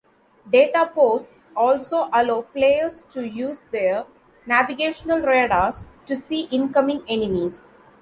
Data posts also allow players to use their navigational radars to see incoming enemies.